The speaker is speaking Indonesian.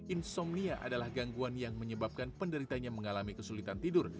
insomnia adalah gangguan yang menyebabkan penderitanya mengalami kesulitan tidur